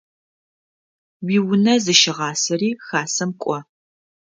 Уиунэ зыщыгъасэри Хасэм кӏо.